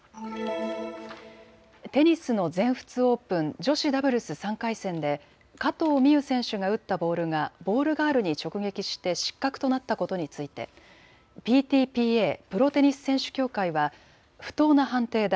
テニスの全仏オープン、女子ダブルス３回戦で加藤未唯選手が打ったボールがボールガールに直撃して失格となったことについてＰＴＰＡ・プロテニス選手協会は不当な判定だ。